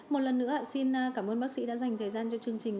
một lần nữa xin cảm ơn bác sĩ đã dành thời gian cho chương trình